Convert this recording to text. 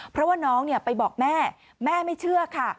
เพราะว่าน้องไปบอกแม่แม่ไม่เชื่อค่ะ